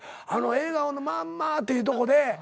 「笑顔のまんま」っていうとこで。